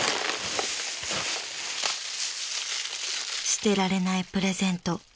［捨てられないプレゼント